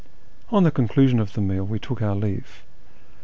On the conclusion of the meal we took our leave.